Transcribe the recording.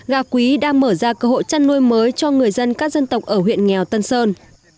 gà quý đang mở ra cơ hội chăn nuôi mới cho người dân các dân tộc ở huyện nghèo tân sơn